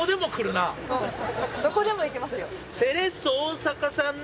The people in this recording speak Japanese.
どこでも行きますよ。